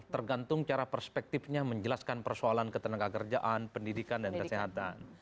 tergantung cara perspektifnya menjelaskan persoalan ketenaga kerjaan pendidikan dan kesehatan